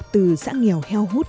từ giãn nghèo heo hút